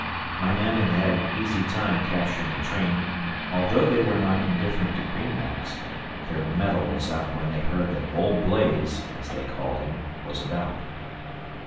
My men had had an easy time capturing the train, and, although they were not indifferent to greenbacks, their mettle was up when they heard that "Old Blaze", as they called him, was about.